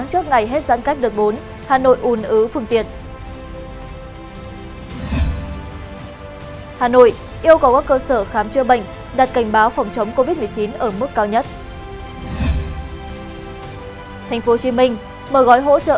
hãy đăng ký kênh để ủng hộ kênh của chúng mình nhé